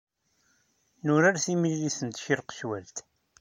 Nurar timlilit n tcirqecwalt.